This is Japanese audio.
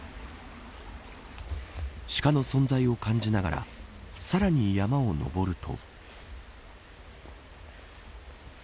シカの存在を感じながらさらに山を登ると。